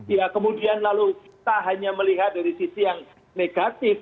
ya kemudian lalu kita hanya melihat dari sisi yang negatif